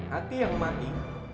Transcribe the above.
hati yang mati